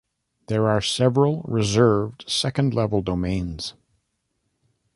There are several reserved second-level domains.